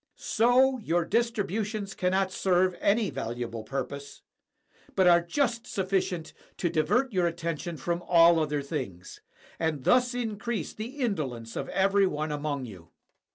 So, your distributions cannot serve any valuable purpose, but are just sufficient to divert your attention from all other things, and thus increase the indolence of every one among you.